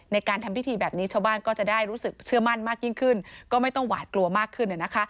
ในการทำพิธีแบบนี้ชาวบ้านก็จะได้รู้สึกเชื่อมั่นมากยิ่งขึ้นก็ไม่ต้องหวาดกลัวมากขึ้นนะคะ